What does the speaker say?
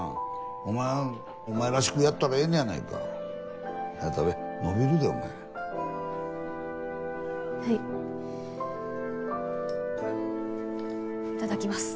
お前はお前らしくやったらええねやないかはよ食べのびるでお前はいいただきます